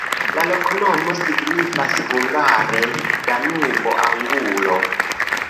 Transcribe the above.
La loknomo signifas hungare: Danubo-angulo.